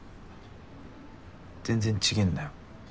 全然違ぇんだよ